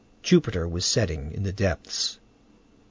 Jupiter was setting in the depths.